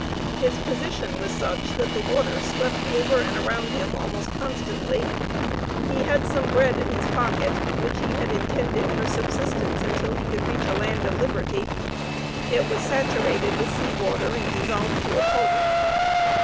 His position was such, that the water swept over and around him almost constantly. He had some bread in his pocket, which he had intended for subsistence until he could reach a land of liberty. It was saturated with sea water and dissolved to a pulp.